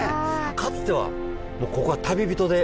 かつてはここは旅人で。